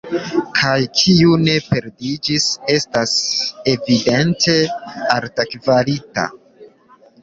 Kaj kiu ne perdiĝis, estas evidente altkvalita.